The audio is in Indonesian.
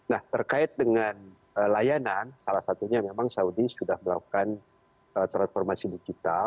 nah terkait dengan layanan salah satunya memang saudi sudah melakukan transformasi digital